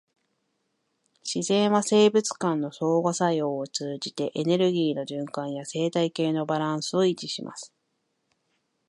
自然は生物間の相互作用を通じて、エネルギーの循環や生態系のバランスを維持します。